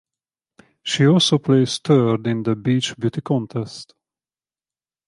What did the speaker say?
She also placed third in the Beach Beauty contest.